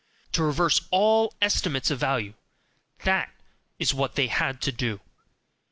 To REVERSE all estimates of value THAT is what they had to do!